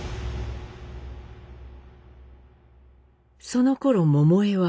そのころ桃枝は。